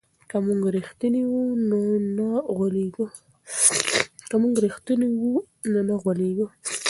که موږ رښتیني وو نو نه غولېږو.